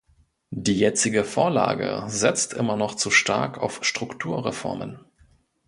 Die jetzige Vorlage setzt immer noch zu stark auf Strukturreformen.